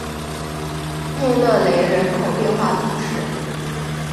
佩勒雷人口变化图示